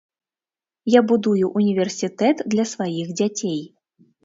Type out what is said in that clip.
Я будую ўніверсітэт для сваіх дзяцей.